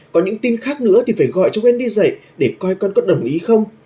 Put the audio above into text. có những tin khác nữa thì phải gọi cho wendy dậy để coi con có đồng ý không